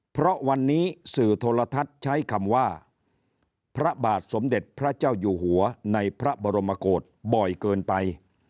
เพราะวันนี้สื่อโทรทัศน์ใช้คำว่าพระบาทสมเด็จพระเจ้าอยู่หัวในพระบรมกฏบ่อยเกินไป